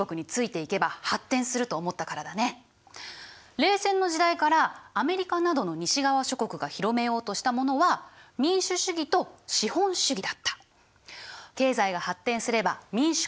冷戦の時代からアメリカなどの西側諸国が広めようとしたものは民主主義と資本主義だった。